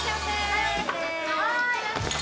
はい！